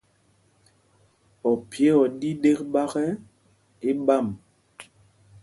Ophyé o ɗí ɗēk ɓák ɛ, í ɓǎm.